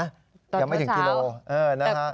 ตอนเช้ายังไม่ถึงกิโลกรัมนะครับ